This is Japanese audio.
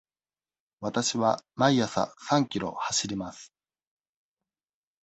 わたしは毎朝三キロ走ります。